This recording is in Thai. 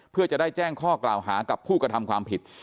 เพื่อจะได้แจ้งข้อกล่าวหากับผู้กระทำความผิด